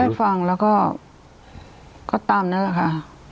ให้ฟังแล้วก็ตามนั้นแหละค่ะ